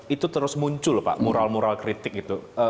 itu terus muncul pak mural mural kritik itu